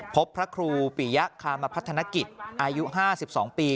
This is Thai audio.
พบพระครูปิยะคามพัฒนกิจอายุ๕๒ปี